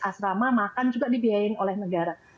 asrama makan juga dibiayain oleh negara